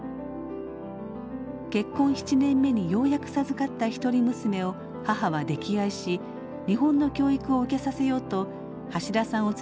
結婚７年目にようやく授かった一人娘を母は溺愛し日本の教育を受けさせようと橋田さんを連れて帰国。